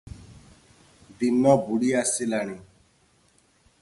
ଦିନ ବୁଡ଼ିଆସିଲାଣି ।